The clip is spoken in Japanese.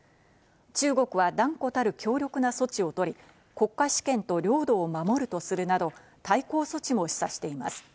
中国は断固たる強力な措置をとり、国家主権と領土を守るとするなど、対抗措置も示唆しています。